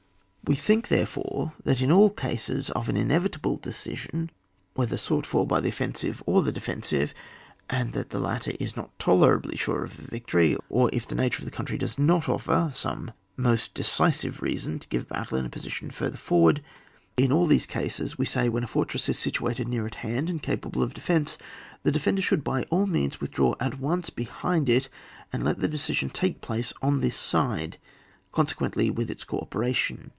We think, therefore, that in all cases of an inevitabU decision^ whether sought for by the offensive or the defensive, and that the latter is not tolerably sure of a victory, or if the nature of the country does not offer some most decisive reason to give battle in a position further for ward— in all these cases we say when a fortress is situated near at hand and capable of defence, the defender should by all means withdraw at once behind it, and let the decision take place on this side, consequently with its co operation.